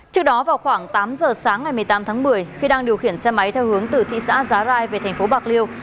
trước đó vào khoảng tám giờ sáng ngày một mươi tám tháng một mươi khi đang điều khiển xe máy theo hướng từ thị xã giá rai về thành phố bạc liêu